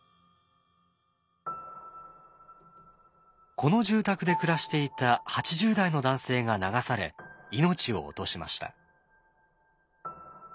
この住宅で暮らしていた８０代の男性が流され命を落としました。